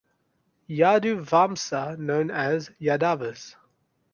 Yadu Vamsa known as Yadavas.